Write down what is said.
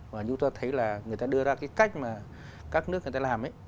và chúng ta thấy là người ta đưa ra cái cách mà các nước người ta làm ấy